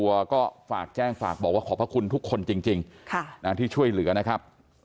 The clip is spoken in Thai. ล็อกฝากแจ้งว่าขอบคุณทุกคนจริงที่ช่วยเหลือนะครับ